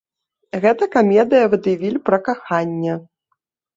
Гэта камедыя-вадэвіль пра каханне.